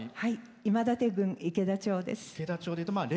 今立郡池田町です。